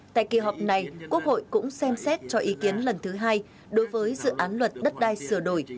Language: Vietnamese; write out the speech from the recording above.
tại kỳ họp này quốc hội cũng xem xét cho ý kiến lần thứ hai đối với dự án luật đất đai sửa đổi